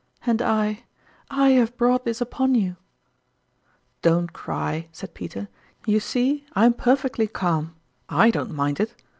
And I I have brought this upon you !"" Don't cry," said Peter. " You see, I'm perfectly calm. / don't mind it.